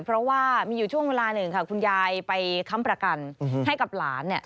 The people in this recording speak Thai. เพราะว่ามีอยู่ช่วงเวลาหนึ่งค่ะคุณยายไปค้ำประกันให้กับหลานเนี่ย